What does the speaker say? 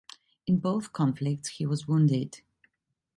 In both conflicts he was wounded.